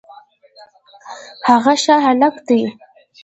هغه ښه هلک دی